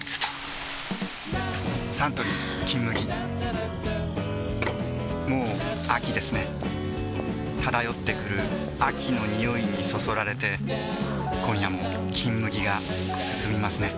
サントリー「金麦」もう秋ですね漂ってくる秋の匂いにそそられて今夜も「金麦」がすすみますね